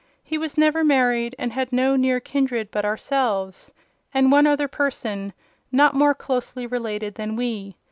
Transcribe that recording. He was never married, and had no near kindred but ourselves and one other person, not more closely related than we.